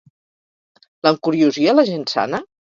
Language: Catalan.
L'encuriosia la gent sana?